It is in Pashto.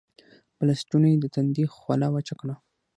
پۀ لستوڼي يې د تندي خوله وچه کړه